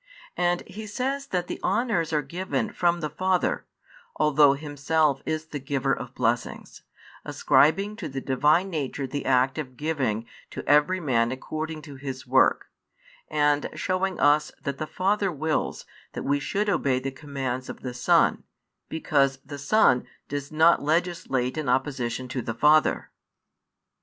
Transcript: And He says that the honours are given from the Father, although Himself is the Giver of blessings; ascribing to the Divine Nature |150 the act of giving to every man according to his work, and showing us that the Father wills that we should obey the commands of the Son, because the Son does not legislate in opposition to the Father.